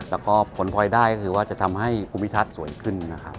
แล้วก็ผลพลอยได้ก็คือว่าจะทำให้ภูมิทัศน์สวยขึ้นนะครับ